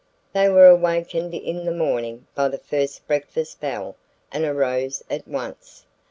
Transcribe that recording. They were awakened in the morning by the first breakfast bell and arose at once.